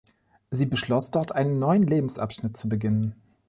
Sie beschloss, dort einen neuen Lebensabschnitt zu beginnen.